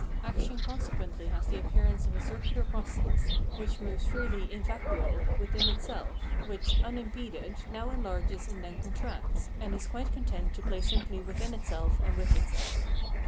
Action con sequently has the appearance of a circular process, which moves freely in vacuo within itself, which, un impeded, now enlarges and then contracts, and is quite content to play simply within itself and with itself.